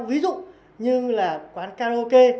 ví dụ như là quán karaoke